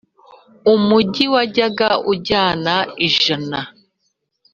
umugi wajyaga ujyana ijana,